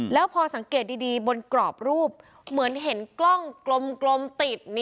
แล้วพอสังเกตดีบนกรอบรูปเหมือนเห็นกล้องกลมติด